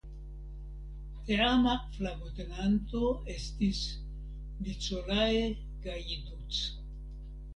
Teama flagotenanto estis "Nicolae Gaiduc".